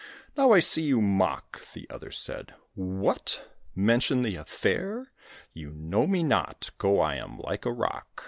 "Now, I see you mock," The other said. "What! mention the affair! You know me not. Go, I am like a rock!"